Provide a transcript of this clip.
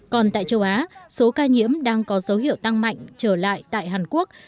còn tại châu á số ca nhiễm đang có dấu hiệu tăng mạnh trở lại tại hàn quốc